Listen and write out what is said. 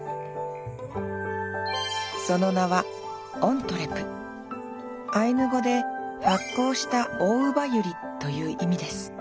その名はアイヌ語で「発酵したオオウバユリ」という意味です。